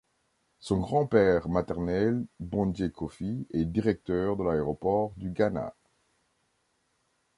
Son grand-père maternel Bondje Koffi est directeur de l'aéroport du Ghana.